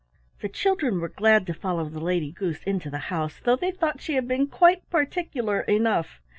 The children were glad to follow the Lady Goose into the house, though they thought she had been quite particular enough.